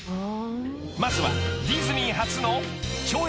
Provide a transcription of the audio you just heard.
［まずはディズニー］